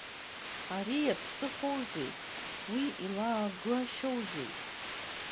Ари иаԥсыхәоузеи, уи илаагашьуозеи?